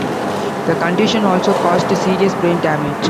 The condition also caused serious brain damage.